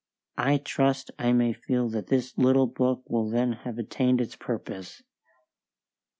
I trust I may feel that this little book will then have attained its purpose.